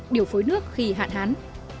điều phối nước khi hạn hán